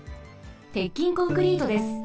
鉄筋コンクリートです。